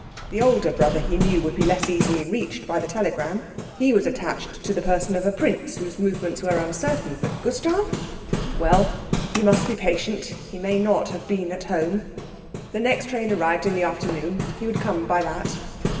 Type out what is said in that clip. The other brother, he knew, would be less easily reached by the telegram he was attached to the person of a prince whose movements were uncertain; but Gustav? Well, he must be patient; he may not have been at home; the next train arrived in the afternoon; he would come by that.